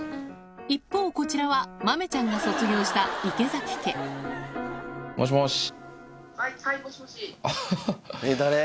一方こちらは豆ちゃんが卒業した池崎家もしもし。